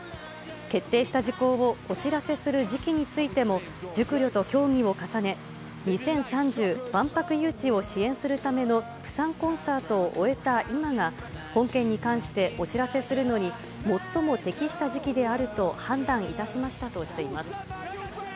決定した事項をお知らせする時期についても、熟慮と協議を重ね、２０３０万博誘致を支援するためのプサンコンサートを終えた今が、本件に関してお知らせするのに最も適した時期であると判断いたしましたとしています。